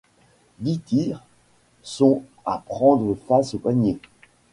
Dix tirs sont à prendre face au panier.